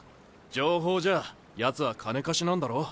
情報じゃヤツは金貸しなんだろ？